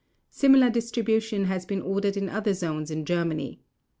Similar distribution has been ordered in other zones in Germany.